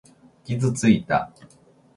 傷ついた。